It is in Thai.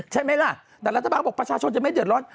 ใช่ไหมล่ะแต่รัฐบาลก็บอกประชาชนจะไม่เดือดร้อน